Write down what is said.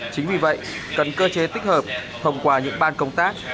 chính vì vậy cần cơ chế tích hợp thông qua những ban công tác